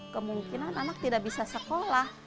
kemungkinan anak tidak bisa sekolah